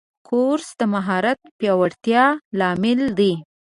کورس د مهارت پیاوړتیا لامل دی.